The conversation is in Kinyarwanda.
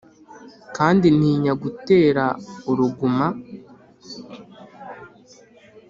Kandi ntinya gutera uruguma?